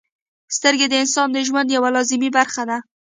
• سترګې د انسان د ژوند یوه لازمي برخه ده.